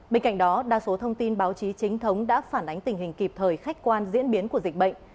bên cạnh đó đa số thông tin báo chí chính thống đã phản ánh tình hình kịp thời khách quan diễn biến của dịch bệnh